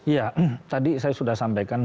ya tadi saya sudah sampaikan